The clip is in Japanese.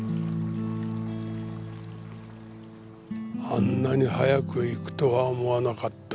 あんなに早く逝くとは思わなかった。